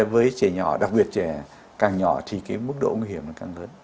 với trẻ nhỏ đặc biệt trẻ càng nhỏ thì cái mức độ nguy hiểm càng lớn